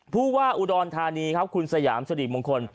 ผู้ว่าอุดรธานีครับคุณสยามสริมงคล